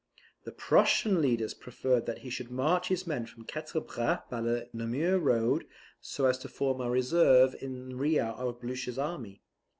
The Prussian leaders preferred that he should march his men from Quatre Bras by the Namur road, so as to form a reserve in rear of Blucher's army.